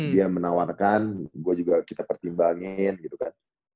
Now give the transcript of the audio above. dia menawarkan gue juga kita pertimbangin gitu kan